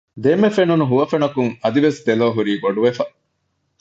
ދެންމެ ފެނުން ހުވަފެނަކުން އަދިވެސް ދެލޯ ހުރީ ބޮޑުވެފަ